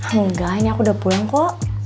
enggak ini aku udah pulang kok